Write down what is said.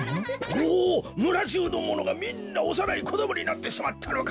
おおむらじゅうのものがみんなおさないこどもになってしまったのか？